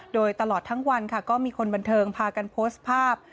โดยตลอดทั้งวันค่ะก็มีคนบันเทิงพากันโพสต์ภาพ